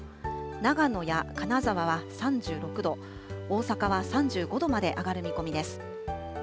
長野や金沢は３６度、大阪は３５度まで上がる見込みです。